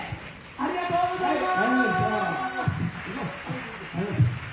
ありがとうございます！